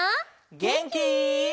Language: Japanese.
げんき？